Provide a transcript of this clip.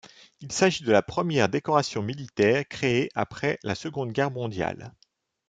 Il s'agit de la première décoration militaire créée après la Seconde Guerre mondiale.